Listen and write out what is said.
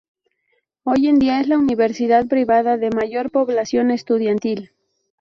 Hoy día, es la universidad privada de mayor población estudiantil.